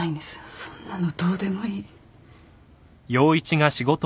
そんなのどうでもいい。